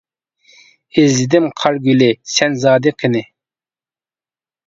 ئىزلىدىم، قار گۈلى سەن زادى قېنى.